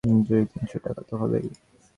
দুই তিন শ টাকা তো হবেই।